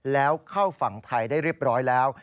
แล้วเข้าฝั่งไทยได้เรียบร้อยแล้ว